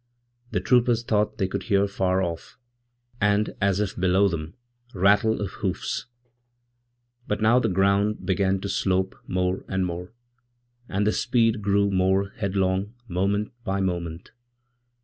The troopers thought they could hear faroff, and as if below them, rattle of hoofs; but now the ground beganto slope more and more, and the speed grew more headlong moment bymoment.